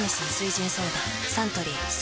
サントリー「翠」